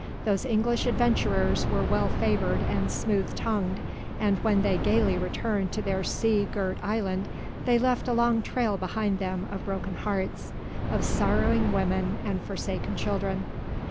Those English adventurers were well favoured and smooth tongued, and when they gaily returned to their sea girt island they left a long trail behind them of broken hearts of sorrowing women and forsaken children."